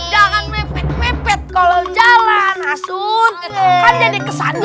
jangan mepet mepet kalau jalan asuh ngetok kan jadi kesan